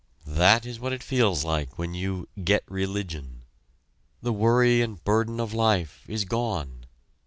That is what it feels like when you "get religion." The worry and burden of life is gone.